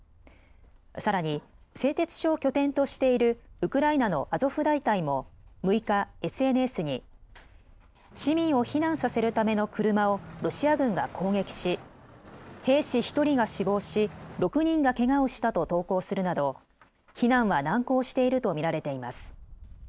さらに製鉄所を拠点としているウクライナのアゾフ大隊も６日、ＳＮＳに市民を避難させるための車をロシア軍が攻撃し兵士１人が死亡し６人がけがをしたと投稿するなど避難は難航していると見られています。